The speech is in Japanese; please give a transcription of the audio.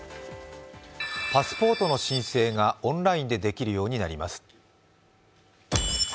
パスポートの申請がオンラインでできるようになります。